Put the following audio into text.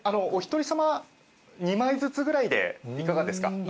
お一人さま２枚ずつぐらいでいかがですか？